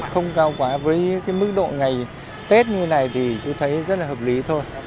không cao quá với cái mức độ ngày tết như này thì tôi thấy rất là hợp lý thôi